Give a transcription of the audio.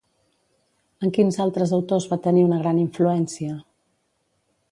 En quins altres autors va tenir una gran influència?